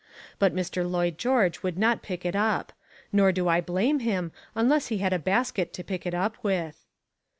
But Mr. Lloyd George would not pick it up. Nor do I blame him unless he had a basket to pick it up with.